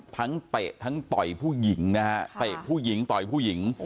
เตะทั้งต่อยผู้หญิงนะฮะเตะผู้หญิงต่อยผู้หญิง